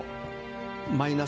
マイナス